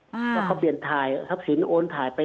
เพราะเขาเปลี่ยนถ่ายศพสินโอนถ่ายไป